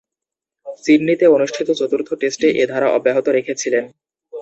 সিডনিতে অনুষ্ঠিত চতুর্থ টেস্টে এ ধারা অব্যাহত রেখেছিলেন।